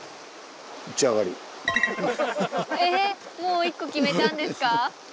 ええっもう１個決めたんですか？